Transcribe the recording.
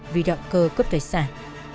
vì động cơ cướp tài sản